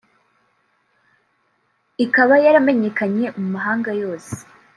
ikaba yaramenyekanye mu mahanga yose